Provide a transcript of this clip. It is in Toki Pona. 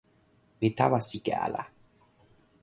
mi tawa sike ala.